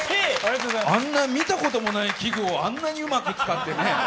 あんな見たこともない器具をあんなにうまく使ってね